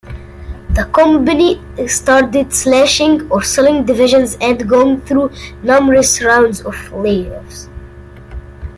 The company started slashing or selling divisions and going through numerous rounds of layoffs.